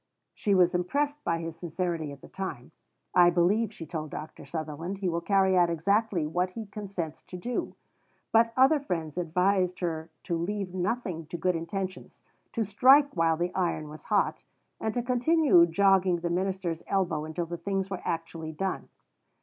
She was impressed by his sincerity at the time. "I believe," she told Dr. Sutherland, "he will carry out exactly what he consents to do." But other friends advised her to leave nothing to good intentions, to strike while the iron was hot, and to continue jogging the minister's elbow until the things were actually done.